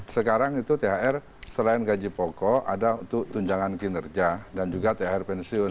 sekarang itu thr selain gaji pokok ada untuk tunjangan kinerja dan juga thr pensiun